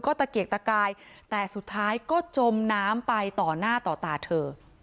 ตะเกียกตะกายแต่สุดท้ายก็จมน้ำไปต่อหน้าต่อตาเธอ